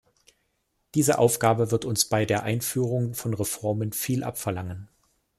Diese Aufgabe wird uns bei der Einführung von Reformen viel abverlangen.